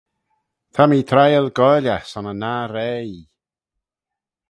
Ta mee tryal goaill eh son y nah reih.